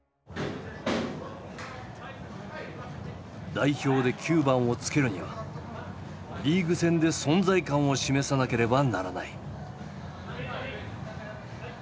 代表で９番をつけるにはリーグ戦で存在感を示さなければならない。